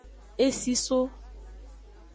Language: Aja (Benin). Esi so.